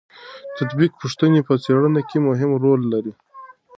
تطبیقي پوښتنې په څېړنو کې مهم رول لري.